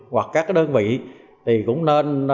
hoặc các đơn vị thì cũng nên